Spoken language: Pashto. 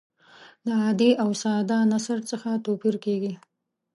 له عادي او ساده نثر څخه توپیر کیږي.